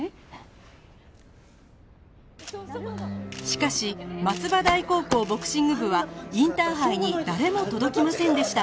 しかし松葉台高校ボクシング部はインターハイに誰も届きませんでした